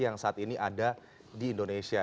yang saat ini ada di indonesia